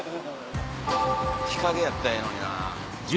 日陰やったらええのにな。